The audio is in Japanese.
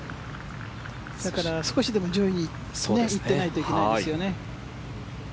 だから少しでも上位に行ってないといけないですよね。